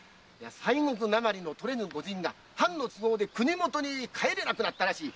西国訛りの御仁が藩の都合で国元に帰れなくなったらしい。